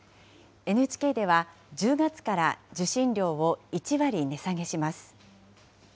ＮＨＫでは、１０月から受信料を１割値下げします。